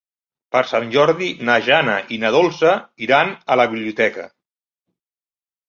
Per Sant Jordi na Jana i na Dolça iran a la biblioteca.